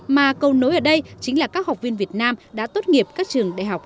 mà cầu nối ở đây chính là các học viên việt nam đã tốt nghiệp các trường đại học